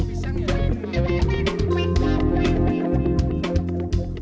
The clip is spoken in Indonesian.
pusat latihan geja di lampung timur